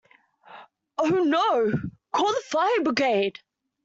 Oh no! Call the fire brigade!